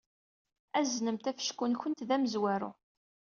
Aznemt afecku-nwent d amezwaru.